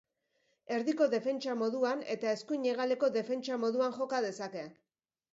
Erdiko defentsa moduan eta eskuin hegaleko defentsa moduan joka dezake.